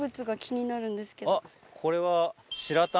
あっこれは。